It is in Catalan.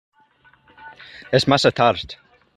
És massa tard.